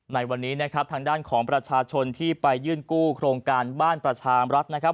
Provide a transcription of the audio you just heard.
ในวันนี้นะครับทางด้านของประชาชนที่ไปยื่นกู้โครงการบ้านประชามรัฐนะครับ